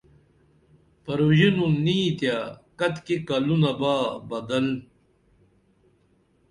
پروژینُن نیں تیہ کتیکی کلونہ با بدل